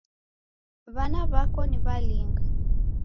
W'ana w'ako ni w'alinga?